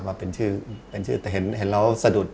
ว่าเป็นชื่อแต่เห็นแล้วสะดุด